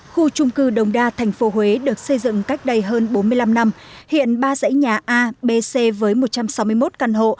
khu trung cư đống đa tp hcm được xây dựng cách đây hơn bốn mươi năm năm hiện ba dãy nhà a b c với một trăm sáu mươi một căn hộ